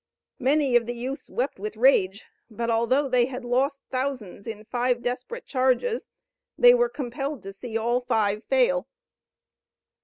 Many of the youths wept with rage, but although they had lost thousands in five desperate charges they were compelled to see all five fail.